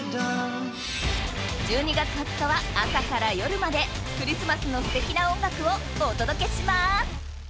１２月２０日は朝から夜までクリスマスのすてきな音楽をお届けします。